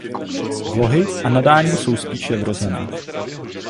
Vlohy a nadání jsou spíše vrozené.